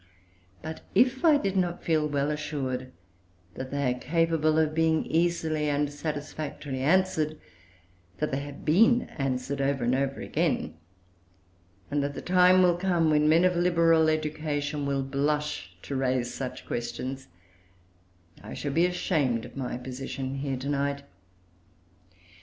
But if I did not feel well assured that they are capable of being easily and satisfactorily answered; that they have been answered over and over again; and that the time will come when men of liberal education will blush to raise such questions I should be ashamed of my position here to night.